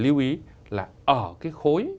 lưu ý là ở cái khối